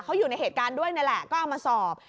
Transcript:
เขาอยู่ในเหตุการณ์ด้วยนี่แหละก็เอามาสอบ